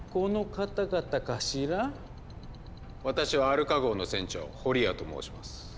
私はアルカ号の船長フォリアと申します。